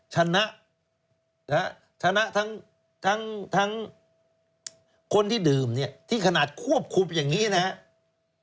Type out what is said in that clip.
ชนะชนะทั้งคนที่ดื่มเนี่ยที่ขนาดควบคุมอย่างนี้นะครับ